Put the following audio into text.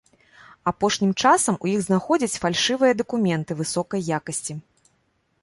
Апошнім часам у іх знаходзяць фальшывыя дакументы высокай якасці.